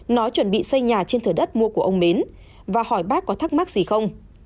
nó chuẩn bị xây nhà trên thửa đất mua của ông mến và hỏi bác có thắc mắc gì không